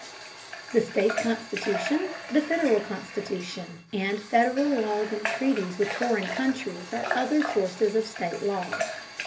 The state constitution, the Federal Constitution, and Federal laws and treaties with foreign countries are other sources of state law.